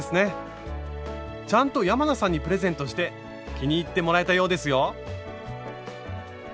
ちゃんと山名さんにプレゼントして気に入ってもらえたようですよ。